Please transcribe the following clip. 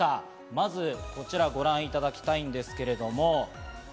まず、こちらをご覧いただきたいんですけれども。